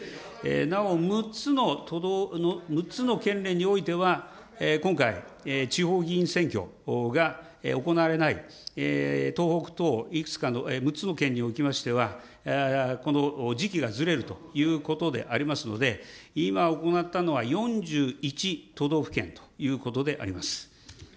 なお６つの県連においては、今回、地方議員選挙が行われない東北等いくつかの６つの県におきましては、この時期がずれるということでありますので、今行ったのは４１都道府県ということであります。